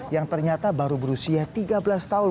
yang ternyata baru berusia tiga belas tahun